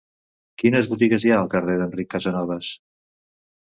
Quines botigues hi ha al carrer d'Enric Casanovas?